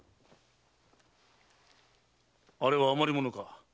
あれはあまり物か？